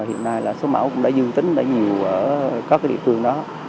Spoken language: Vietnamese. hiện nay là số máu cũng đã dư tính đã nhiều ở các địa phương đó